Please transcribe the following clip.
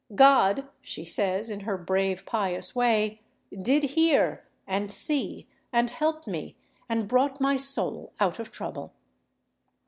"God," she says, in her brave, pious way, "did hear, and see, and help me, and brought my soul out of trouble."